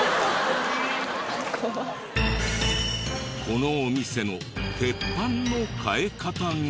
このお店の鉄板の換え方が。